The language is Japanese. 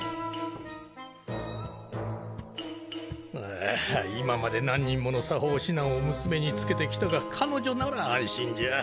あ今まで何人もの作法指南を娘につけてきたが彼女なら安心じゃ。